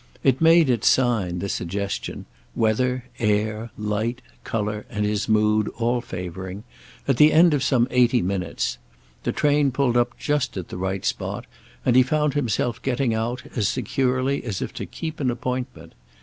It made its sign, the suggestion—weather, air, light, colour and his mood all favouring—at the end of some eighty minutes; the train pulled up just at the right spot, and he found himself getting out as securely as if to keep an appointment.